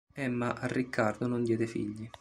Emma a Riccardo non diede figli.